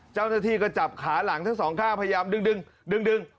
เจ้าหน้าที่ก็จับขาหลังทั้งสองข้างพยายามดึงดึง